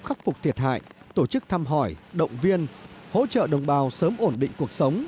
khắc phục thiệt hại tổ chức thăm hỏi động viên hỗ trợ đồng bào sớm ổn định cuộc sống